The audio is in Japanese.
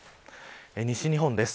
西日本です。